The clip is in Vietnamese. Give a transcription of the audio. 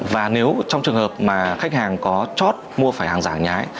và nếu trong trường hợp mà khách hàng có chót mua phải hàng giả hay là hàng nhái